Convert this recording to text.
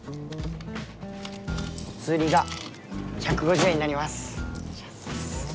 おつりが１５０円になります。